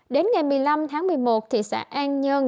đến ngày một mươi năm tháng một mươi một thị xã an nhơn